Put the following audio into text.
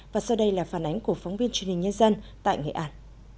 và sau đây là phản ánh của phóng viên truyền hình nhân dân tại nghệ an